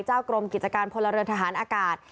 กรมกิจการพลเรือนทหารอากาศ